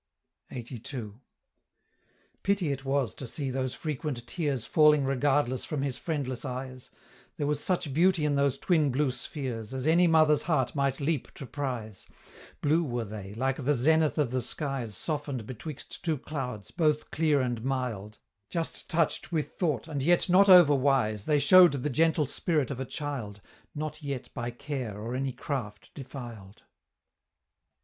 LXXXII. "Pity it was to see those frequent tears Falling regardless from his friendless eyes; There was such beauty in those twin blue spheres, As any mother's heart might leap to prize; Blue were they, like the zenith of the skies Softened betwixt two clouds, both clear and mild; Just touched with thought, and yet not over wise, They show'd the gentle spirit of a child, Not yet by care or any craft defiled."